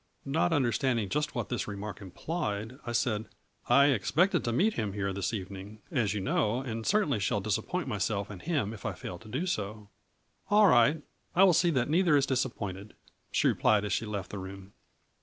Not understanding just what this remark im plied, I said :" I expected to meet him here this evening, 100 A FLURRY IN DIAMONDS. as you know, and certainly shall disappoint my self and him if I fail to do so." " All right, I will see that neither is disap pointed," she replied as she left the room.